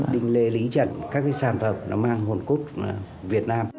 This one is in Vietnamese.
đình lê lý trần các sản phẩm nó mang hồn cốt việt nam